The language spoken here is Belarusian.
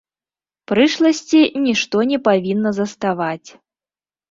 Прышласці нішто не павінна заставаць.